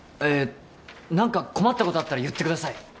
えっ何か困ったことあったら言ってください